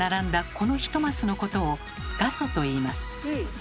この１マスのことを「画素」といいます。